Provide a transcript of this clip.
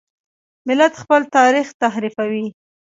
ملت خپل تاریخ تحریفوي.